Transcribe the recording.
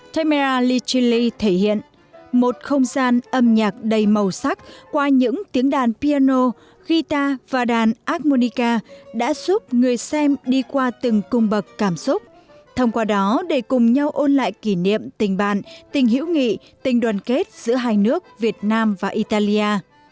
tamara lichelli thể hiện một không gian âm nhạc đầy màu sắc qua những tiếng đàn piano guitar và đàn armonica đã giúp người xem đi qua từng cung bậc cảm xúc thông qua đó để cùng nhau ôn lại kỷ niệm tình bạn tình hữu nghị tình đoàn kết giữa hai nước việt nam và italia